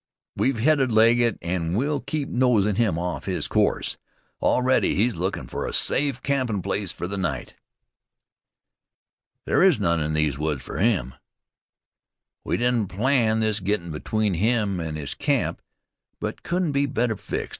"We've headed Legget, an' we'll keep nosin' him off his course. Already he's lookin' fer a safe campin' place for the night." "There is none in these woods, fer him." "We didn't plan this gettin' between him an' his camp; but couldn't be better fixed.